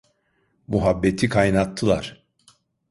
Muhabbeti kaynattılar.